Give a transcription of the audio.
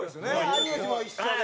有吉も一緒で。